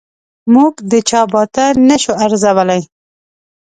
موږ د چا باطن نه شو ارزولای.